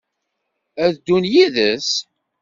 Ad d-ddun yid-s?